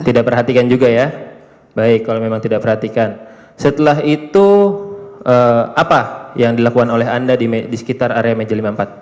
tidak perhatikan juga ya baik kalau memang tidak perhatikan setelah itu apa yang dilakukan oleh anda di sekitar area meja lima puluh empat